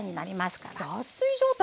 脱水状態？